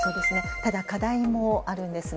ただ課題もあるんです。